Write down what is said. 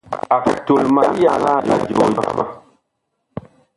Ag tol ma liyaŋaa la joo jama.